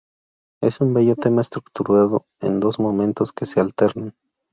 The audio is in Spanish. Es un bello tema estructurado en dos momentos que se alternan.